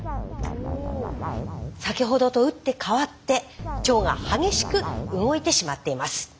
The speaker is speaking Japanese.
先ほどと打って変わって腸が激しく動いてしまっています。